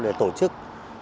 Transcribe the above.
để tổ chức